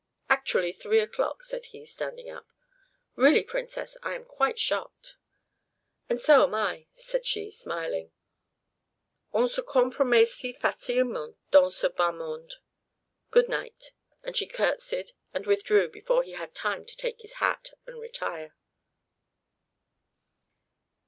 "Actually three o'clock," said he, standing up. "Really, Princess, I am quite shocked." "And so am I," said she, smiling; "on se compromet si facilement dans ce bas monde. Good night." And she courtesied and withdrew before he had time to take his hat and retire.